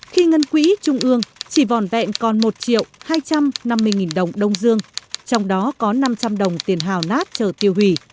khi ngân quỹ trung ương chỉ vòn vẹn còn một triệu hai trăm năm mươi nghìn đồng đông dương trong đó có năm trăm linh đồng tiền hào nát trở tiêu hủy